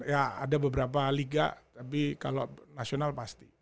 ya ada beberapa liga tapi kalau nasional pasti